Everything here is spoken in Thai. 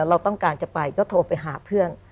เราต้องการจะไปก็โทรไปหาเพื่อน